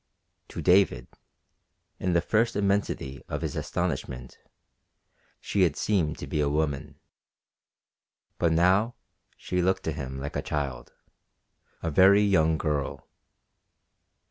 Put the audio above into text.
To David, in the first immensity of his astonishment, she had seemed to be a woman; but now she looked to him like a child, a very young girl.